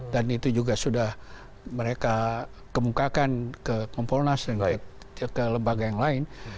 dan itu juga sudah mereka kemukakan ke komponas dan ke lembaga yang lain